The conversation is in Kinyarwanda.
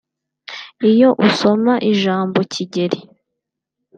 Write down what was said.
Iyo usoma ijambo Kigeli